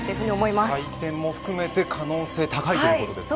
回転も含めて可能性が高いというところですね。